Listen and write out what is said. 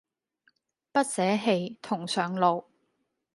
不捨棄同上路